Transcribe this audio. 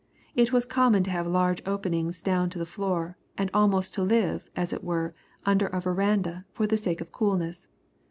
It was common to have large openings down to the floor, and almost to live, as it were, under a verandah, for the sake of coolness.